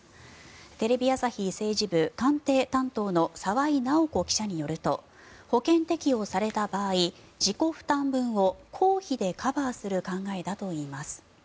テレビ朝日政治部官邸担当の澤井尚子記者によると保険適用された場合自己負担分を公費でカバーする考えだといいます。